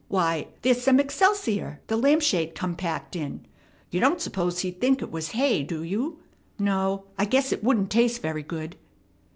Why, there's some excelsior the lamp shade come packed in. You don't suppose he'd think it was hay, do you? No, I guess it wouldn't taste very good."